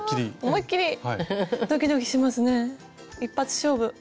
一発勝負。